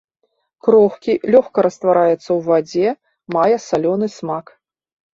Крохкі, лёгка раствараецца ў вадзе, мае салёны смак.